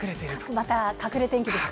また隠れ天気ですか。